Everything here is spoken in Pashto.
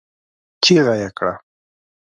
چيغه يې کړه!